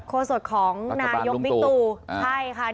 โคโศกของนายกบาทูป